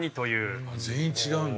全員違うんだ。